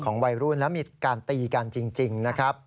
วัยรุ่นแล้วมีการตีกันจริงนะครับ